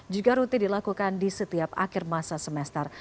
juga rutin dilakukan di setiap akhir masa semester